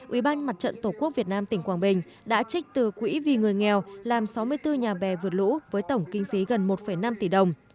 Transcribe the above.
ubndtqvn tỉnh quảng bình đã trích từ quỹ vì người nghèo làm sáu mươi bốn nhà bè vượt lũ với tổng kinh phí gần một năm tỷ đồng